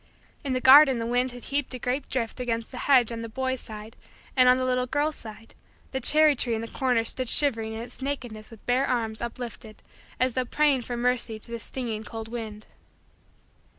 In the garden the wind had heaped a great drift high against the hedge on the boy's side, and, on the little girl's side, the cherry tree in the corner stood shivering in its nakedness with bare arms uplifted as though praying for mercy to the stinging cold wind.